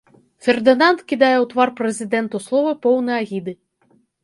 Фердынанд кідае ў твар прэзідэнту словы, поўны агіды.